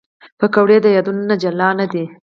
پکورې د یادونو نه جلا نه دي